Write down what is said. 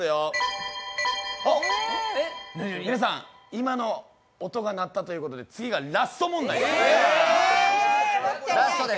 今の音が鳴ったということで次がラスト問題です。